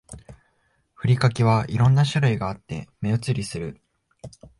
ふりかけは色んな種類があって目移りする